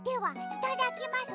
いただきます。